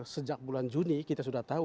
sejak bulan juni kita sudah tahu